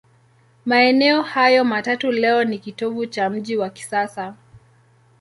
Maeneo hayo matatu leo ni kitovu cha mji wa kisasa.